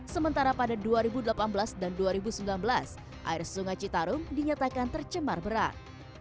sementara pada dua ribu delapan belas dan dua ribu sembilan belas air sungai citarum dinyatakan tercemar berat